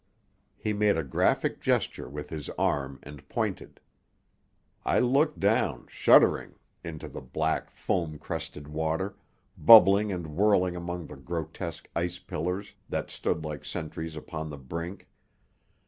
He made a graphic gesture with his arm and pointed. I looked down, shuddering, into the black, foam crested water, bubbling and whirling among the grotesque ice pillars that stood like sentries upon the brink.